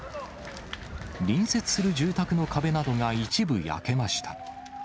隣接する住宅の壁などが一部焼けました。